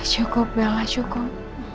cukup bel gak cukup